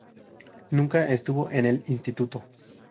Nunca estuvo en el Instituto.